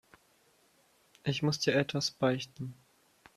Ich muss dir etwas beichten.